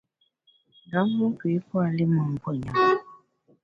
Nga mùn puo i pua’ li mon mvùeṅam.